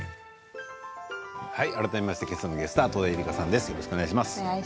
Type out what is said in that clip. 改めまして今朝のゲストは戸田恵梨香さんです。